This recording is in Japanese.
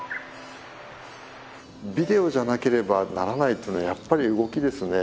ビデオじゃなければならないというのはやっぱり動きですね。